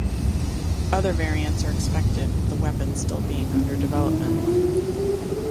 Other variants are expected with the weapon still being under development.